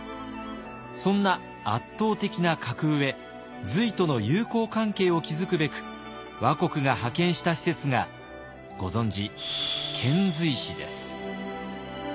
そんな圧倒的な格上隋との友好関係を築くべく倭国が派遣した使節がご存じ遣隋使です。